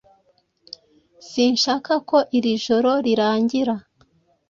Sinshaka ko iri joro rirangira